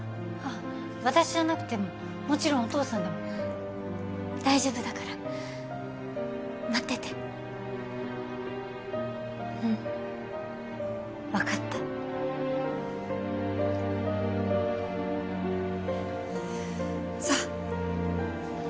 私じゃなくてももちろんお父さんでも大丈夫だから待っててうん分かったさあ